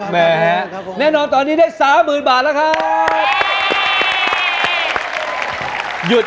แม่แน่นอนตอนนี้ได้๓๐๐๐บาทแล้วครับ